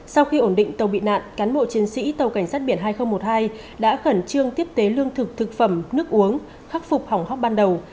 sau khi ổn định tàu bị nạn cán bộ chiến sĩ tàu cảnh sát biển hai nghìn một mươi hai đã khẩn trương tiếp tế lương thực thực phẩm nước uống khắc phục hỏng hóc ban đầu